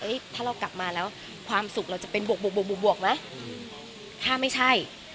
ถ้าเรากลับมาแล้วความสุขเราจะเป็นบวกไหมถ้าไม่ใช่